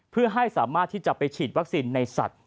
เพื่อให้สามารถที่จะไปฉีดวัคซีนในสัตว์